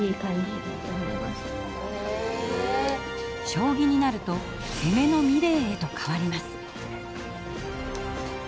将棋になると攻めの美礼へと変わります。